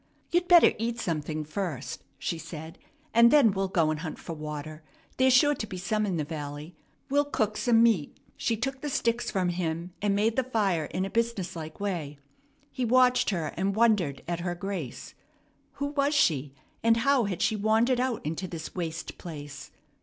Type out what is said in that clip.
"You'd better eat something first," she said, "and then we'll go and hunt for water. There's sure to be some in the valley. We'll cook some meat." She took the sticks from him, and made the fire in a businesslike way. He watched her, and wondered at her grace. Who was she, and how had she wandered out into this waste place?